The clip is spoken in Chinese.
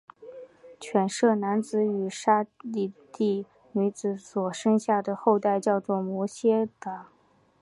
吠舍男子与刹帝利女子所生下的后代叫做摩偈闼。